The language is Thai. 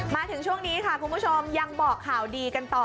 มาถึงช่วงนี้ค่ะคุณผู้ชมยังบอกข่าวดีกันต่อ